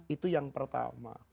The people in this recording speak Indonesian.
itu yang pertama